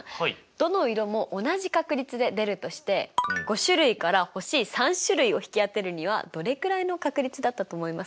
どの色も同じ確率で出るとして５種類から欲しい３種類を引き当てるにはどれくらいの確率だったと思いますか？